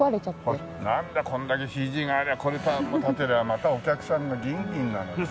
なんだこんだけＣＧがありゃこれ建てればまたお客さんがギンギンなのに。